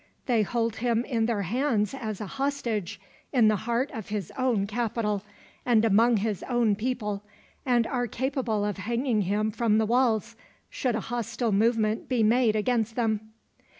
They hold him in their hands as a hostage, in the heart of his own capital, and among his own people; and are capable of hanging him from the walls, should a hostile movement be made against them.